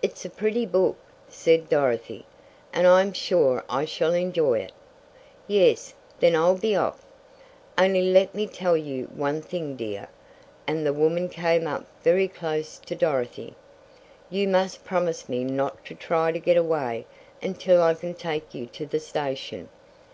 "It's a pretty book," said Dorothy, "and I am sure I shall enjoy it." "Yes, then I'll be off. Only let me tell you one thing dear," and the woman came up very close to Dorothy, "you must promise me not to try to get away until I can take you to the station.